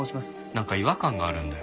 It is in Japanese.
なんか違和感があるんだよ。